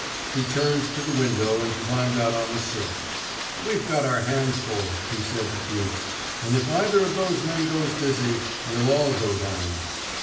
He turned to the window and climbed out on the sill. WeVe got our hands full/' he said to Fuchs. And if either of those men goes dizzy, we'll all go down."